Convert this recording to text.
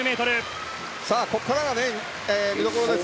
ここからが見どころです。